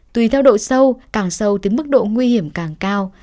tùy theo độ sâu càng sâu tới mức độ nguy hiểm càng cao